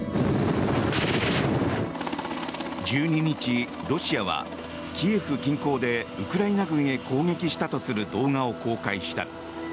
１２日、ロシアはキエフ近郊でウクライナ軍へ攻撃したとする動画を公開した。